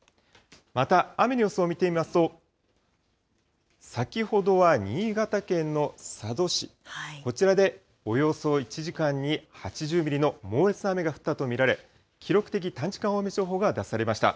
また雨の様子を見てみますと、先ほどは新潟県の佐渡市、こちらでおよそ１時間に８０ミリの猛烈な雨が降ったと見られ、記録的短時間大雨情報が出されました。